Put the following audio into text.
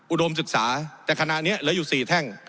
อุดมศึกษาแต่ขณะนี้เหลืออยู่๔แท่ง